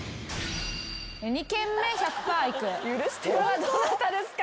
これはどなたですか？